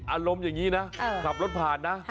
อารมณ์อย่างนี้นะขับรถผ่านนะ